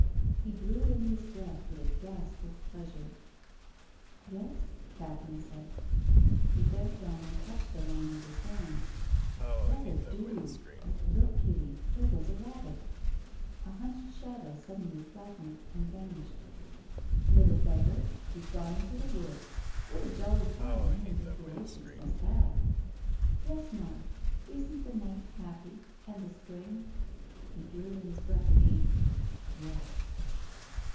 He drew in his breath with a gasp of pleasure. "Yes?" Catherine said. He bent down and touched the lawn with his hand. " What a dew ! Look, Kitty, there goes a rab bit !" A hunched shadow suddenly flattened and vanished. "Little beggar! He's gone into the wood. What a jolly time he and his relations must have." " Yes, Mark. Isn't the night happy, and the spring? " He drew in his breath again. "Yes."